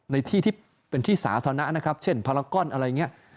ในที่ที่เป็นที่สาธารณะนะครับเช่นพารากอนอะไรอย่างนี้